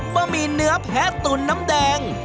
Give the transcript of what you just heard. บะหมี่เนื้อแพ้ตุ๋นน้ำแดง